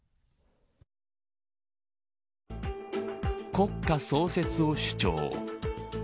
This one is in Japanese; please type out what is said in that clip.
国家創設を主張。